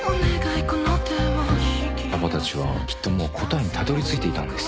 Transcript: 「パパたちはきっともう答えにたどりついていたんです」